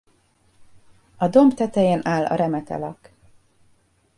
A domb tetején áll a remetelak.